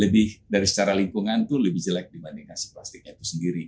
lebih dari secara lingkungan itu lebih jelek dibanding nasi plastiknya itu sendiri